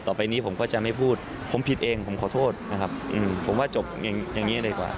ต่อไปนี้ผมก็จะไม่พูดผมผิดเองผมขอโทษนะครับผมว่าจบอย่างนี้เลยดีกว่า